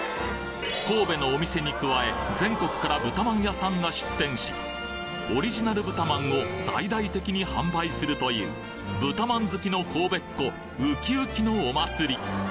神戸のお店に加え全国から豚まん屋さんが出店しオリジナル豚まんを大々的に販売するという豚まん好きの神戸っ子ウキウキのお祭り！